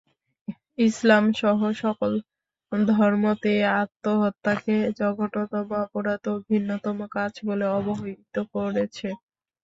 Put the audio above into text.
ইসলাম সহ সকল ধর্মতেই আত্মহত্যাকে জঘন্যতম অপরাধ ও ঘৃণ্যতম কাজ বলে অবহিত করেছে।